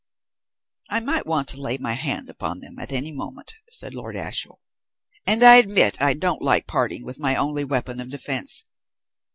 "I might want to lay my hand upon them at any moment," said Lord Ashiel, "and I admit I don't like parting with my only weapon of defence.